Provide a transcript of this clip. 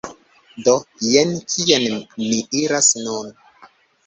Do, jen kien ni iras nun